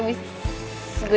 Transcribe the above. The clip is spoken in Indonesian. nama itu apa